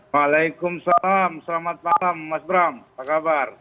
waalaikumsalam selamat malam mas bram apa kabar